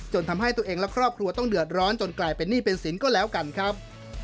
ทำให้ตัวเองและครอบครัวต้องเดือดร้อนจนกลายเป็นหนี้เป็นสินก็แล้วกันครับ